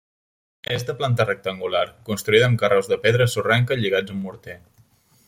És de planta rectangular, construïda amb carreus de pedra sorrenca lligats amb morter.